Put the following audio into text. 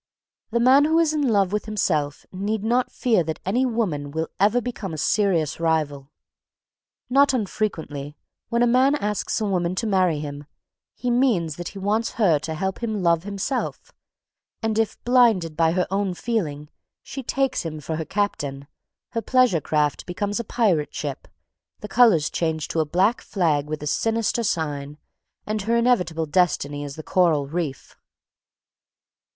The man who is in love with himself need not fear that any woman will ever become a serious rival. Not unfrequently, when a man asks a woman to marry him, he means that he wants her to help him love himself, and if, blinded by her own feeling, she takes him for her captain, her pleasure craft becomes a pirate ship, the colours change to a black flag with a sinister sign, and her inevitable destiny is the coral reef.